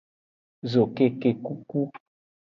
Zokekekuku.